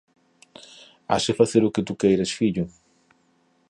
Hase facer o que ti queiras, fillo